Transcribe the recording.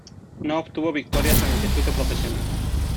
No obtuvo victorias en el circuito profesional.